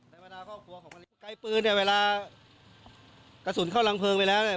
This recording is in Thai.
ไกลปืนเนี่ยเวลากระสุนเข้าลังเพลิงไปแล้ว